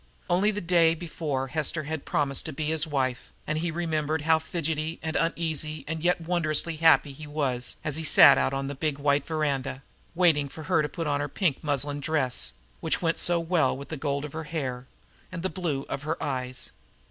Only the day before Hester had promised to be his wife, and he remembered how fidgety and uneasy and yet wondrously happy he was as he sat out on the big white veranda, waiting for her to put on her pink muslin dress, which went go well with the gold of her hair and the blue of her eyes.